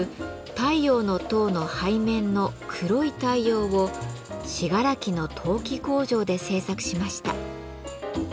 「太陽の塔」の背面の「黒い太陽」を信楽の陶器工場で制作しました。